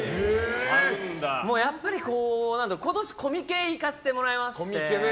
やっぱり今年コミケ行かせてもらいまして。